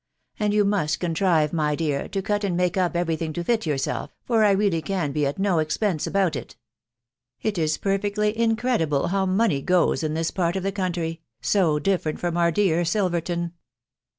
And you must contrive, my dear, to cot aasl up every thing to fit yourself, for I really can b# at n» pense about it. It. is perfectly incredible how money goes in this part of the country, so different from our dear SKlverton